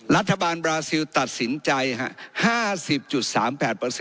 รัฐบาลบราซิลตัดสินใจ๕๐๓๘